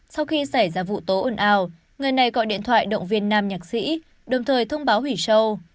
sau khi xảy ra vụ tố ồn ào người này gọi điện thoại động viên nam nhạc sĩ đồng thời thông báo hủy sâu